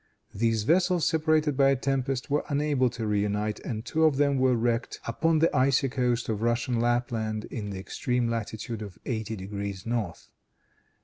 These vessels, separated by a tempest, were unable to reunite, and two of them were wrecked upon the icy coast of Russian Lapland in the extreme latitude of eighty degrees north.